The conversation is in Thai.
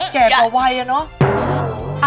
แก่กว่าวัยอะเนาะ